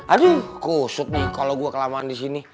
aduh kusut nih kalo gue kelamaan di sini